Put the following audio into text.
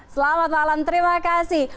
selamat malam terima kasih